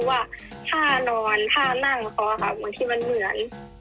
เพราะว่าท่านอนท่านั่งของเขาค่ะเหมือนที่เหมือนเหมือน